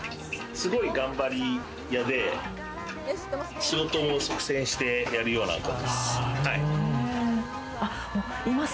すごい頑張りやで、仕事も率先してやるような子です。